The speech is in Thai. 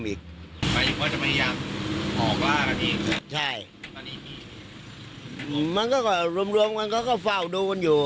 ใครอีกว่าจะมีอย่างออกลากันอีกใช่มันก็ก็รวมรวมมันก็ก็เฝ้าดูมันอยู่